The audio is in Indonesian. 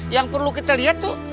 yang perlu kita lihat tuh